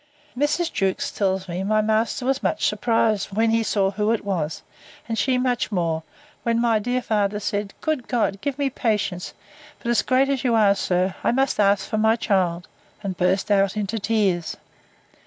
Mrs. Jewkes tells me, my master was much surprised, when he saw who it was; and she much more, when my dear father said,—Good God! give me patience! but, as great as you are, sir, I must ask for my child! and burst out into tears.